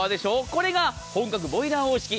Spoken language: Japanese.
これが本格ボイラー方式。